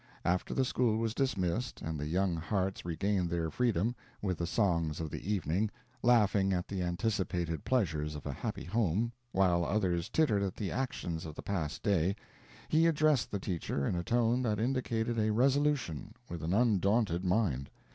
After the school was dismissed, and the young hearts regained their freedom, with the songs of the evening, laughing at the anticipated pleasures of a happy home, while others tittered at the actions of the past day, he addressed the teacher in a tone that indicated a resolution with an undaunted mind.